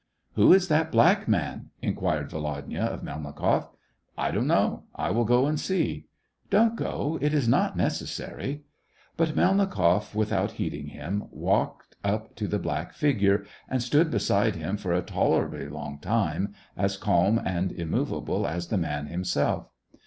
" Who is that black man ?" inquired Volodya of Melnikoff. " I don't know ; I will go and see." Don't go ! it is not necessary." But Melnikoff, without heeding him, walked up to the black figure, and stood beside him for a tolerably long time, as calm and immovable as the man himself.